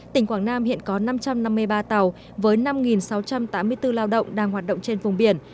tỉnh quảng nam hiện có năm trăm năm mươi ba tàu với năm sáu trăm tám mươi bốn lao động đang hoạt động trên vùng biển